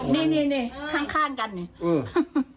นี่ข้างกันเนี่ย